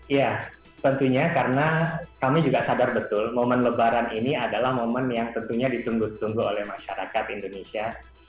ya tentunya karena kami juga sadar betul momen lebaran ini adalah momen yang tentunya ditunggu tunggu oleh masyarakat indonesia